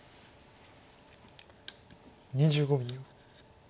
２５秒。